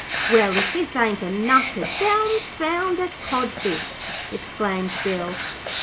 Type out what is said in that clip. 'Well, if this ain't enough to dumbfound a codfish,' exclaimed Bill.